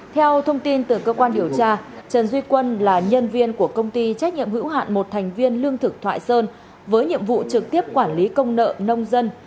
theo thông tin từ cơ quan điều tra trần duy quân là nhân viên của công ty trách nhiệm hữu hạn một thành viên lương thực thoại sơn với nhiệm vụ trực tiếp quản lý công nợ nông dân